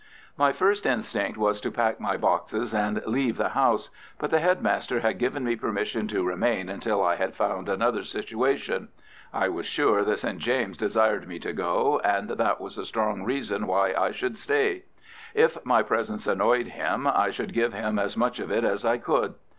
My first instinct was to pack my boxes and leave the house. But the head master had given me permission to remain until I had found another situation. I was sure that St. James desired me to go, and that was a strong reason why I should stay. If my presence annoyed him, I should give him as much of it as I could.